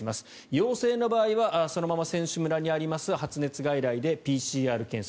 陽性の場合は、そのまま選手村にある発熱外来でＰＣＲ検査。